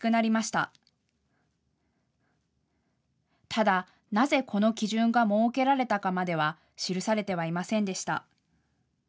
ただ、なぜこの基準が設けられたかまでは記されてはいませんでした。